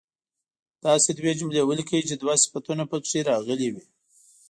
داسې دوې جملې ولیکئ چې دوه صفتونه په کې راغلي وي.